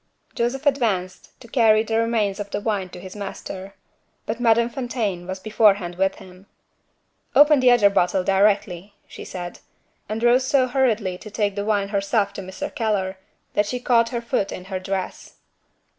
Joseph advanced to carry the remains of the wine to his master. But Madame Fontaine was beforehand with him. "Open the other bottle directly," she said and rose so hurriedly to take the wine herself to Mr. Keller, that she caught her foot in her dress.